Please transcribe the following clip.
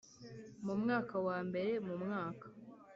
mu mwaka wa mbere Mu mwaka